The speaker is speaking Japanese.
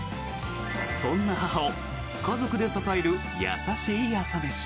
そんな母を家族で支える優しい朝飯。